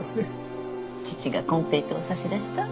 父がコンペイトーを差し出した？